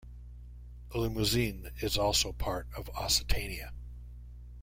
Limousin is also part of Occitania.